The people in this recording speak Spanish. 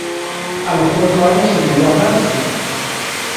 A los cuatro años se mudó a Francia.